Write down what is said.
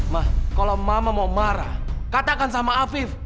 mah kalau mama mau marah katakan sama afif